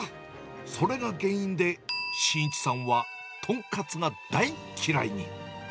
それが原因で、真一さんは豚カツが大嫌いに。